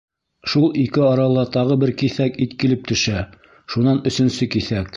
Шул ике арала тағы бер киҫәк ит килеп төшә, шунан өсөнсө киҫәк...